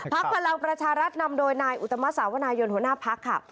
พลังประชารัฐนำโดยนายอุตมะสาวนายนหัวหน้าพักค่ะ